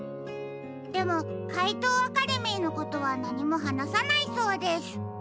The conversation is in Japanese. でもかいとうアカデミーのことはなにもはなさないそうです。